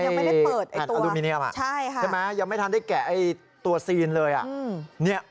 ยังไม่ได้เปิดตัวใช่ค่ะยังไม่ทันได้แกะตัวซีนเลย